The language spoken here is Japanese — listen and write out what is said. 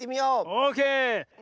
オーケー！